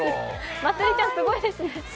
まつりちゃん、すごいですね。